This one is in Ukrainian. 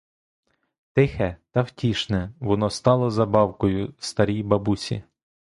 Тихе та втішне, воно стало забавкою старій бабусі.